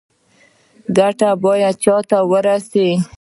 ګټه باید چا ته ورسي؟